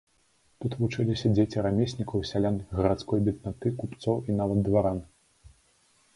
Тут вучыліся дзеці рамеснікаў, сялян, гарадской беднаты, купцоў і нават дваран.